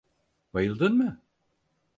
Bayıldın mı?